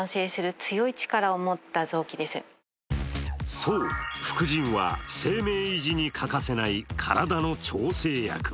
そう、副腎は生命維持に欠かせない体の調整役。